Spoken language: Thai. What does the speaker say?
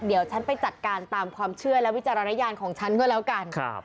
เดี๋ยวฉันไปจัดการตามความเชื่อและวิจารณญาณของฉันก็แล้วกัน